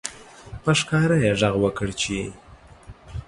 په ښکاره یې غږ وکړ چې